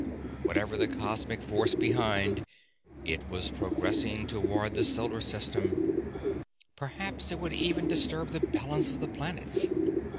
Whatever the cosmic force behind, it was progressing toward the solar system. Perhaps it would even disturb the balance of the planets.